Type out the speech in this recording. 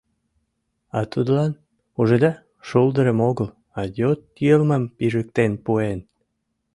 А тудлан, ужыда, шулдырым огыл, а йот йылмым пижыктен пуэн.